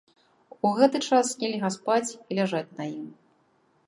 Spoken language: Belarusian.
У гэты час нельга спаць і ляжаць на ім.